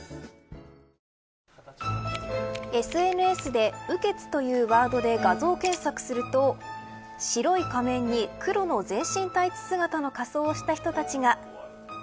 ＳＮＳで、雨穴というワードで画像検索すると白い仮面に黒の全身タイツ姿の仮装をした人たちが。